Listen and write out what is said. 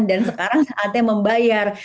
dan sekarang saatnya membayar